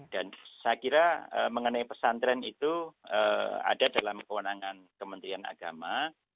dan saya kira mengenai pesantren itu ada dalam kewenangan kementerian agama